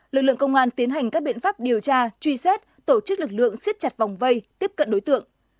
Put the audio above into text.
lực lượng công an tiến hành các biện pháp điều tra truy xét tổ chức lực lượng siết chặt vòng vây tiếp cận đối tượng